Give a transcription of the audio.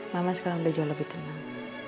mama sekarang udah jauh lebih tenang